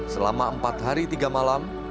selama empat hari tiga malam